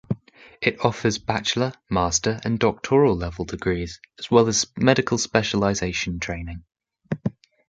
It offers bachelor, master, and doctoral-level degrees, as well as medical specialization training.